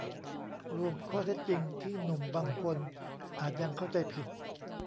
รวมข้อเท็จจริงที่หนุ่มบางคนอาจยังเข้าใจผิด